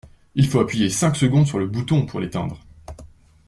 Il faut appuyer cinq secondes sur le bouton pour l'éteindre.